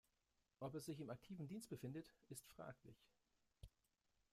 Ob es sich im aktiven Dienst befindet, ist fraglich.